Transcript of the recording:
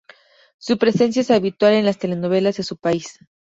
Su presencia es habitual en las telenovelas de su país.